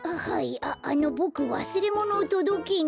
ああのボクわすれものをとどけに。